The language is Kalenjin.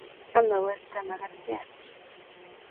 Ame werto mkatiat